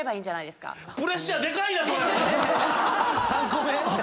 ３個目⁉